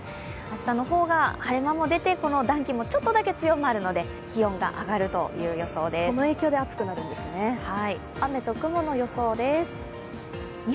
明日の方が晴れ間も出て暖気もちょっとだけ強まるので気温が上がるという予想です。